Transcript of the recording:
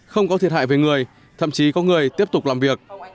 không có thiệt hại về người thậm chí có người tiếp tục làm việc